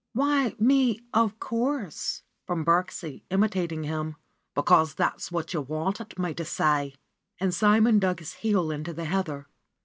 "Why me 'of course' ?" from Birksie, imitating him. "Because that's what you wanted me to say." And Simon dug his heel into the heather.